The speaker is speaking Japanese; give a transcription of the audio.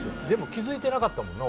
気づいてなかったもんな